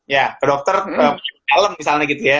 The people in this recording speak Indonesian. ya ke dokter ke kalem misalnya gitu ya